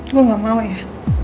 gue gak mau ya